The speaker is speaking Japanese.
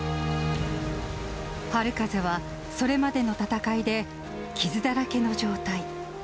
春風は、それまでの戦いで傷だらけの状態。